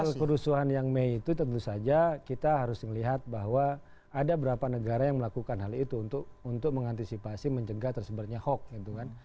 kalau kerusuhan yang mei itu tentu saja kita harus melihat bahwa ada beberapa negara yang melakukan hal itu untuk mengantisipasi mencegah tersebarnya hoax gitu kan